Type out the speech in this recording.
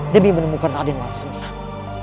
demi menemukan raden walang sungsang